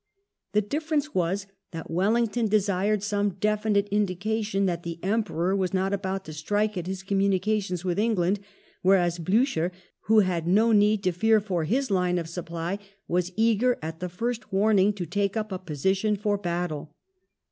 The difference was that Wellington desired some definite indication that the Emperor was not about to strike at his communications with England, whereas Blucher, who had no need to fear for his line of supply, was eager at the first warning to take up a position for battle.